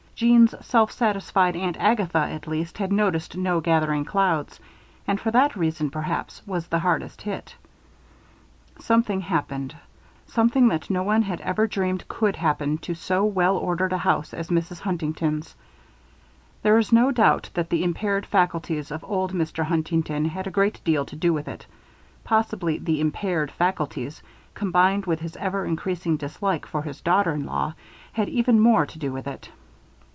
Jeanne's self satisfied Aunt Agatha, at least, had noticed no gathering clouds; and for that reason, perhaps, was the harder hit. Something happened. Something that no one had ever dreamed could happen in so well ordered a house as Mrs. Huntington's. There is no doubt that the impaired faculties of old Mr. Huntington had a great deal to do with it. Possibly the "impaired faculties" combined with his ever increasing dislike for his daughter in law had even more to do with it.